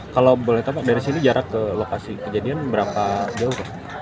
kalau boleh tahu pak dari sini jarak ke lokasi kejadian berapa jauh